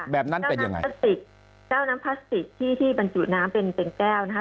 แบบนั้นเป็นยังไงพลาสติกแก้วน้ำพลาสติกที่ที่บรรจุน้ำเป็นเป็นแก้วนะคะ